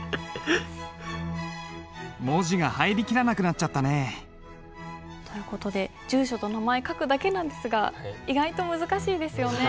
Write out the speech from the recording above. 文字が入りきらなくなっちゃったね。という事で住所と名前書くだけなんですが意外と難しいですよね。